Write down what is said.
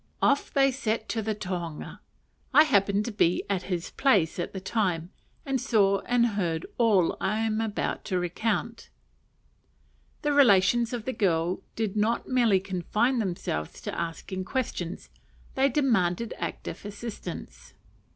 Off they set to the tohunga. I happened to be at his place at the time, and saw and heard all I am about to recount. The relations of the girl did not merely confine themselves to asking questions, they demanded active assistance.